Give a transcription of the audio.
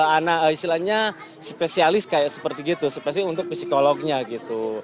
anak istilahnya spesialis kayak seperti gitu spesialis untuk psikolognya gitu